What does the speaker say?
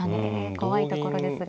怖いところですが。